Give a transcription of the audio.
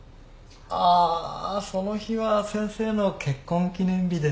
あその日は先生の結婚記念日です。